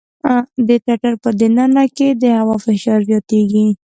د ټټر په د ننه کې د هوا فشار زیاتېږي.